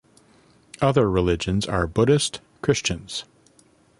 Other religions are Buddhist, Christians.